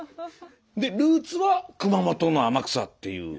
でルーツは熊本の天草っていう。